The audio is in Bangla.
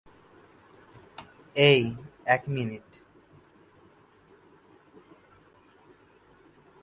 এই, এক মিনিট।